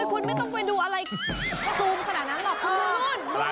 โอ้โหคุณไม่ต้องไปดูอะไรก็ดูขนาดนั้นหรอก